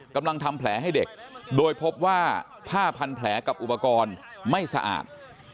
ทำแผลให้เด็กโดยพบว่าผ้าพันแผลกับอุปกรณ์ไม่สะอาด